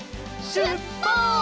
しゅっぱつ！